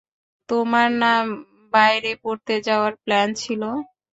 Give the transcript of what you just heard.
তোমার না বাইরে পড়তে যাওয়ার প্ল্যান ছিল?